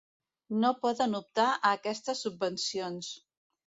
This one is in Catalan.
No poden optar a aquestes subvencions.